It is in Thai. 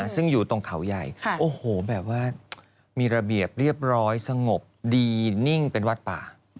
ซึ่งอยู่ตรงเขาใหญ่โอ้โหแบบว่ามีระเบียบเรียบร้อยสงบดีนิ่งเป็นวัดป่า